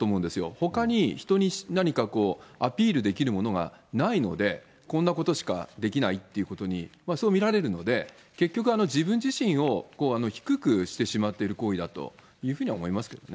ほかに人に何かアピールできるものがないので、こんなことしかできないっていうことに、そう見られるので、結局、自分自身を低くしてしまっている行為だというふうに思いますけどね。